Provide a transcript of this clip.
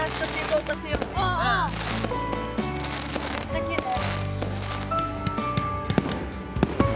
めっちゃきれい。